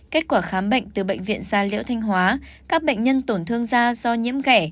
kết quả khám bệnh từ bệnh viện gia liễu thanh hóa các bệnh nhân tổn thương da do nhiễm ghẻ